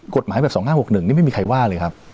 กฎหมายแบบ๒๕๖๑นี่ไม่มีใครว่าเลยครับ